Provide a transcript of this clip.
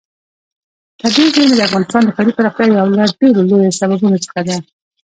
طبیعي زیرمې د افغانستان د ښاري پراختیا یو له ډېرو لویو سببونو څخه ده.